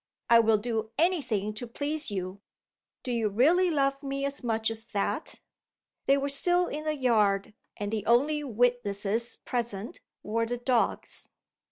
"I would do any thing to please you!" "Do you really love me as much as that?" They were still in the yard; and the only witnesses present were the dogs.